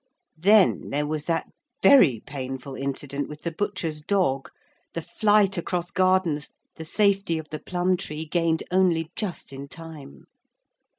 Then there was that very painful incident with the butcher's dog, the flight across gardens, the safety of the plum tree gained only just in time.